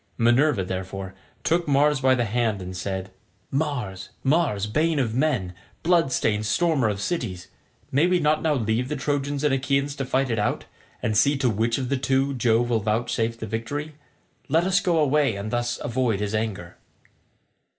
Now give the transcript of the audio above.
Minerva, therefore, took Mars by the hand and said, "Mars, Mars, bane of men, blood stained stormer of cities, may we not now leave the Trojans and Achaeans to fight it out, and see to which of the two Jove will vouchsafe the victory? Let us go away, and thus avoid his anger."